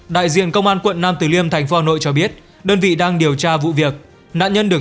đại diện công an quận nam tử liêm tp hcm cho biết đơn vị đang điều tra vụ việc nạn nhân được